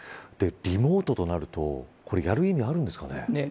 リモートとなるとやる意味があるんですかね。